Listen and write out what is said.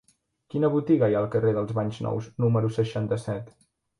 Quina botiga hi ha al carrer dels Banys Nous número seixanta-set?